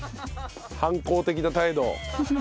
反抗的な態度。